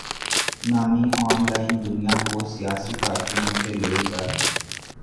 نامی online دنیا کو سیاسی کارکنوں سے لے کر